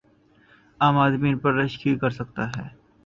عام آدمی ان پہ رشک ہی کر سکتا ہے۔